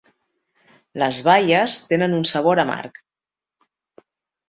Les baies tenen un sabor amarg.